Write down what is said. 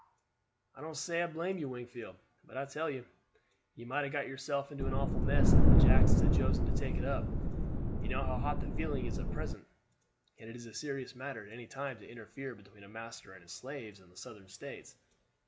"I don't say I blame you, Wingfield; but I tell you, you might have got yourself into an awful mess if the Jacksons had chosen to take it up. You know how hot the feeling is at present, and it is a serious matter at any time to interfere between a master and his slaves in the Southern States.